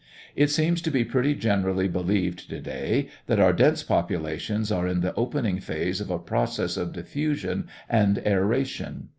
It seems to be pretty generally believed to day that our dense populations are in the opening phase of a process of diffusion and aeration.